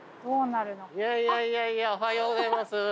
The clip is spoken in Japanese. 「おはようございます」